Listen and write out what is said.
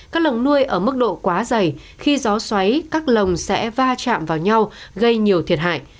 các lồng nuôi ở mức độ quá dày khi gió xoáy các lồng sẽ va chạm vào nhau gây nhiều thiệt hại